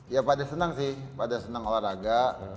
ya pada senang sih pada senang olahraga